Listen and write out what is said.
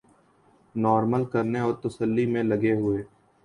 normal کرنے اور تسلی میں لگے ہوئے